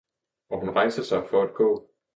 og hun rejste sig for at gå.